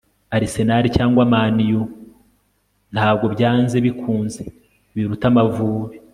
Arsenal cyangwa Man Utd ntabwo byanze bikunze biruta Amavubi